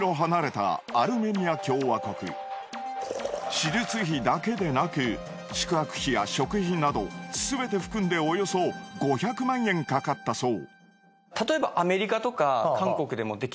手術費だけでなく宿泊費や食費などすべて含んでおよそ５００万円かかったそう。